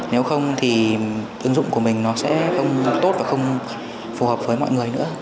nếu không thì ứng dụng của mình nó sẽ không tốt và không phù hợp với mọi người nữa